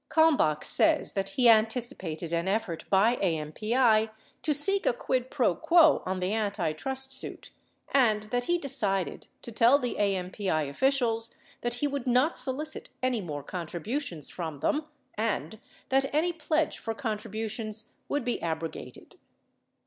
71 Kalmbach says that he anticipated an effort by AMPI to seek a quid pro quo on the antitrust suit and that he decided to tell the AMPI officials that he would not solicit any more contribu tions from them and that any pledge for contributions would be abrogated.